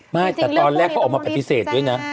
ไม่แต่ตอนแรกเขาออกมาปฏิเสธด้วยนะ